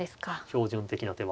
標準的な手は。